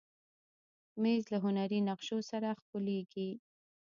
مېز له هنري نقشو سره ښکليږي.